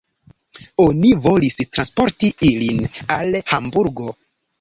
Oni volis transporti ilin al Hamburgo.